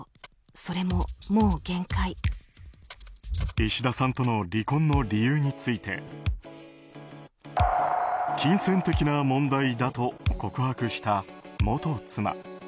いしださんとの離婚の理由について金銭的な問題だと告白した元妻。